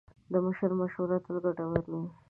د مشر مشوره تل ګټوره وي.